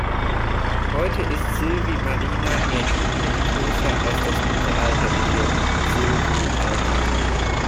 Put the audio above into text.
Heute ist Silvi Marina erheblich größer als das mittelalterliche Silvi Alta.